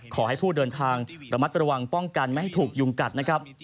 ขอให้ผู้เดินทางระมัดระวังป้องกันไม่ให้ถูกยุงกัดนะครับ